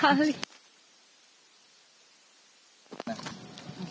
tidak ada yang dianggap sahabatnya